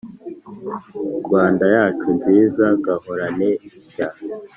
rwanda yacu nziza gahorane ishya